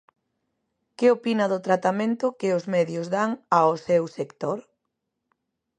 Que opina do tratamento que os medios dan ao seu sector?